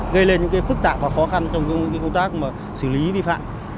gây lên những cái phức tạp và khó khăn trong những cái công tác mà xử lý vi phạm